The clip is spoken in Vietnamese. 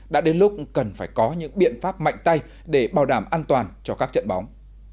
đã đến lúc cần phải có những biện pháp mạnh tay để bảo đảm an toàn cho các trận bóng